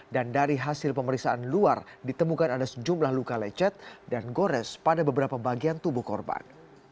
dan dari hasil pemeriksaan luar ditemukan ada sejumlah luka lecet dan gores pada beberapa bagian tubuh korban